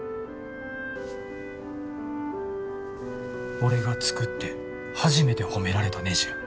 俺が作って初めて褒められたねじや。